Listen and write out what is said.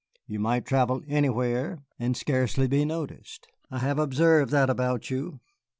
You might travel anywhere and scarcely be noticed, I have observed that about you.